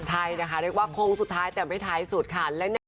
ใช่นะคะเรียกว่าโค้งสุดท้ายแต่ไม่ท้ายสุดค่ะ